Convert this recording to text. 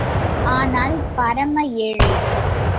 ஆனால் பரம ஏழை.